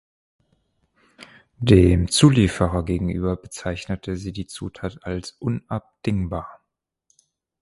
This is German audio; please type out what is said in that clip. Dem Zulieferer gegenüber bezeichnete sie die Zutat als unabdingbar.